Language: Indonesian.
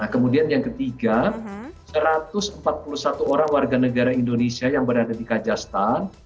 kemudian yang ketiga satu ratus empat puluh satu orang warga negara indonesia yang berada di kajastan